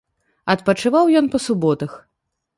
Адпачываў ён па суботах.